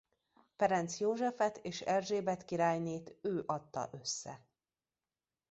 Ferenc Józsefet és Erzsébet királynét ő adta össze.